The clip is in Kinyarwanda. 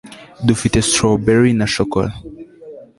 dufite strawberry na shokora